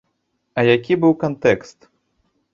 А які быў кантэкст?